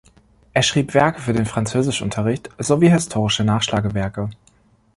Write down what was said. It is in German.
Er schrieb Werke für den Französischunterricht sowie historische Nachschlagewerke.